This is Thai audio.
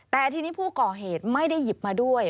แต่ทีนี้ผู้ก่อเหตุไม่ได้หยิบมาด้วย